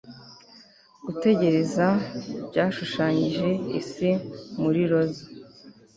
Gutegereza byashushanyije isi muri roza